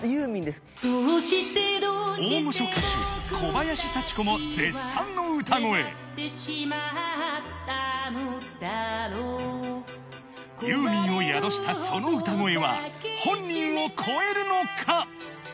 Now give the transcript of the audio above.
大御所歌手の歌声ユーミンを宿したその歌声は本人を超えるのか？